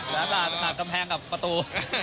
แล้วต่างกับกำแพงกับประตู